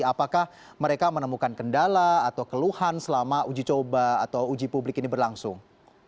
apakah mereka menemukan kendala atau keluhan selama uji coba atau uji publik ini berlangsung